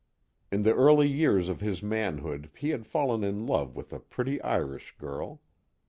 In the early years of his manhood he had fallen in love with a pretty Irish girl.